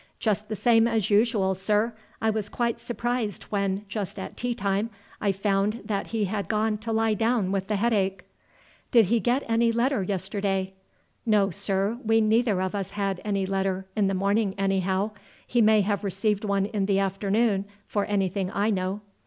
"Just the same as usual, sir. I was quite surprised when, just at tea time, I found that he had gone to lie down with the headache." "Did he get any letter yesterday?" "No, sir; we neither of us had any letter, in the morning anyhow. He may have received one in the afternoon, for anything I know."